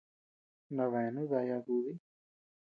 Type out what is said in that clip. Nabeánu daya dudi.